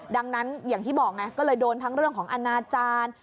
ดังนั้นอย่างที่บอกไงก็เลยโดนทั้งเรื่องของอนาจารย์